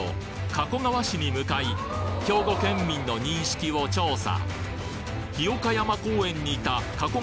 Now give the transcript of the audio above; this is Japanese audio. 加古川市に向かい兵庫県民の認識を調査